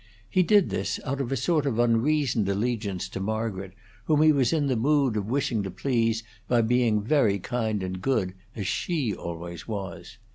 He did this out of a sort of unreasoned allegiance to Margaret, whom he was in the mood of wishing to please by being very kind and good, as she always was.